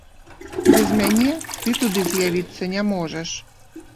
Без мяне ты туды з'явіцца не можаш!